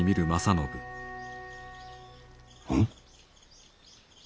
うん？